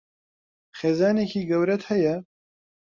خێزانێکی گەورەت هەیە؟